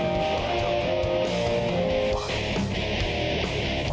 ฟ้ายเตอร์